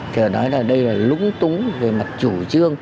thì phải nói là đây là lúng túng về mặt chủ trương